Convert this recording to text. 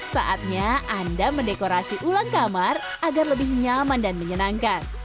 saatnya anda mendekorasi ulang kamar agar lebih nyaman dan menyenangkan